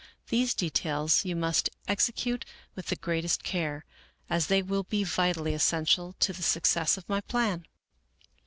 These details you must exe cute with the greatest care, as they will be vitally essential to the success of my plan."